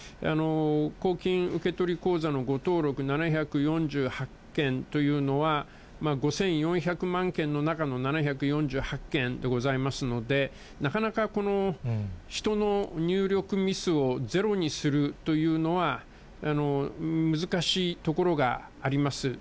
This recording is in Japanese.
公金受取口座の誤登録７４８件というのは、５４００万件の中の７４８件でございますので、なかなか、人の入力ミスをゼロにするというのは難しいところがあります。